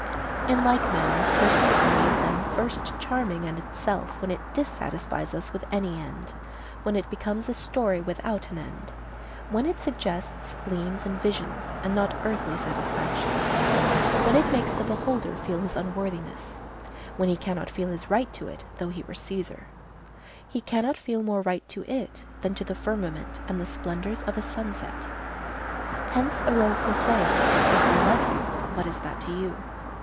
In like manner, personal beauty is then first charming and itself when it dissatisfies us with any end; when it becomes a story without an end; when it suggests gleams and visions and not earthly satisfactions; when it makes the beholder feel his unworthiness; when he cannot feel his right to it, though he were Cæsar; he cannot feel more right to it than to the firmament and the splendors of a sunset. Hence arose the saying, "If I love you, what is that to you?"